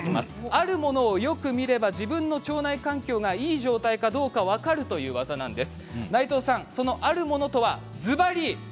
あるものをよく見れば自分の腸内環境がいい状態かどうか分かるという技です。